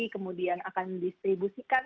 kemudian akan mendistribusikan